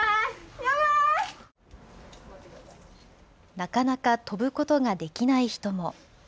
なかなか飛ぶことができない人も。